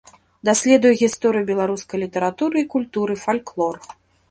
Даследуе гісторыю беларускай літаратуры і культуры, фальклор.